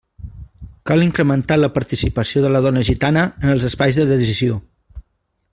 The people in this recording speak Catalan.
Cal incrementar la participació de la dona gitana en els espais de decisió.